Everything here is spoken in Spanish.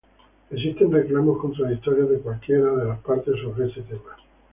Existen reclamos contradictorios de cualquiera de las partes sobre este tema.